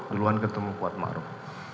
duluan ketemu kuat ma'ruf